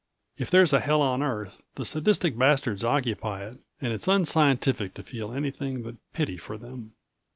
If there's a hell on Earth the sadistic bastards occupy it, and it's unscientific to feel anything but pity for them.